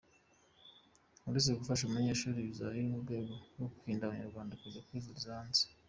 Uretse gufasha abanyeshuri, bizaba biri ku rwego rwo kurinda Abanyarwanda kujya kwivuriza hanze.